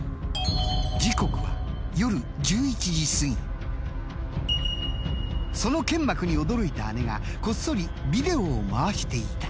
時刻はそのけんまくに驚いた姉がこっそりビデオを回していた。